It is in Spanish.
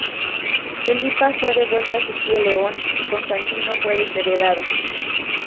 Felipa fue devuelta a su tío León y Constantino fue desheredado.